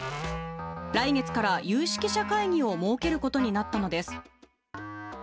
来月から有識者会議を設けることになったのです。